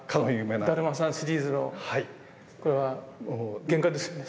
「だるまさん」シリーズのこれは原画ですよね。